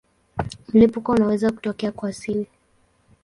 Mlipuko unaweza kutokea kwa asili.